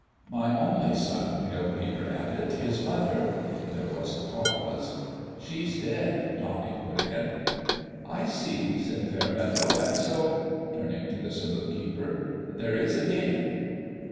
"My only son," Pale Peter added. "His mother " There was a pause. "She's dead," Donnie put in. "I see," said Fairmeadow. "And so" turning to the saloon keeper " there is a game?"